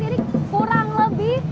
ini kurang lebih